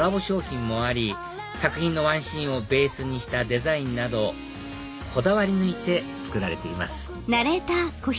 商品もあり作品のワンシーンをベースにしたデザインなどこだわり抜いて作られています